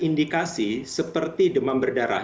indikasi seperti demam berdarah